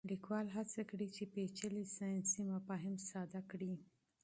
لیکوال هڅه کړې چې پېچلي ساینسي مفاهیم ساده کړي.